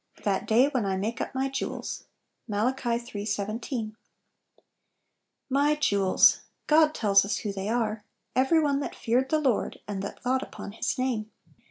" That day when I make up my jewels." Mat,, iii. 17. " TV fl Y jewels! " God tells us who they 1V1 are — "Every one that feared the Lord, and that thought upon His name."